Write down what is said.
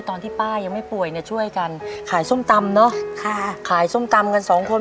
ตอนที่ป้ายังไม่ป่วยเนี่ยช่วยกันขายส้มตำเนอะค่ะขายส้มตำกันสองคน